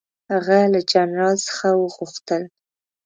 هغه له جنرال څخه وغوښتل.